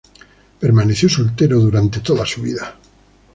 Permaneció soltero durante toda su vida.